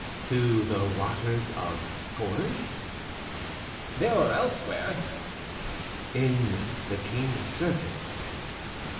"To the waters of Forges?" "There or elsewhere." "In the king's service?"